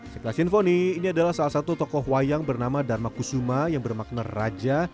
sekelas sinfoni ini adalah salah satu tokoh wayang bernama dharma kusuma yang bermakna raja